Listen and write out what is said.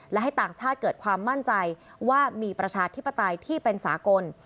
และให้ต่างชาติเกิดความมั่นใจว่ามีประชาธิปไตยที่เป็นสากล